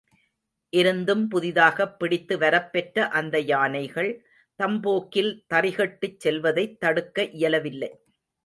இருந்தும் புதிதாகப் பிடித்து வரப்பெற்ற அந்த யானைகள், தம் போக்கில் தறிகெட்டுச் செல்வதைத் தடுக்க இயலவில்லை.